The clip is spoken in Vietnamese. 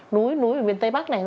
núi núi ở miền tây bắc này